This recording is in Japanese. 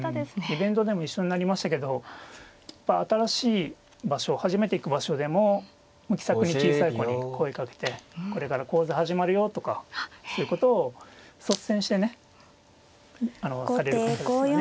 イベントでも一緒になりましたけど新しい場所初めて行く場所でも気さくに小さい子に声かけて「これから講座始まるよ」とかそういうことを率先してねされる方ですよね。